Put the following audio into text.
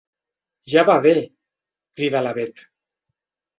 Ja va bé! —cridà la Bet—.